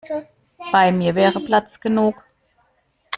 Bei mir wäre Platz genug.